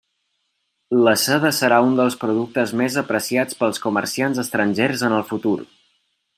La seda serà un dels productes més apreciats pels comerciants estrangers en el futur.